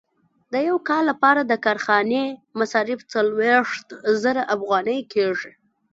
د یو کال لپاره د کارخانې مصارف څلوېښت زره افغانۍ کېږي